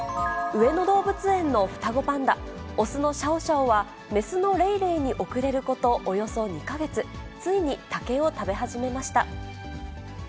上野動物園の双子パンダ、雄のシャオシャオは、雌のレイレイに遅れることおよそ２か月、ついに竹を食べ始めました。